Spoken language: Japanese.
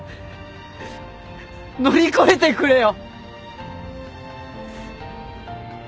乗り越えてくれよ。